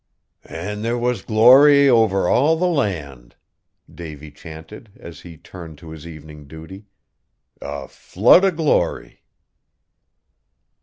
"An' there was glory over all the land," Davy chanted as he turned to his evening duty. "_A flood o' glory.